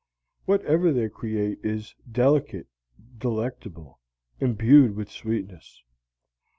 Whatever they create is delicate, delectable, imbued with sweetness.